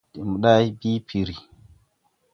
De mboday bii piri.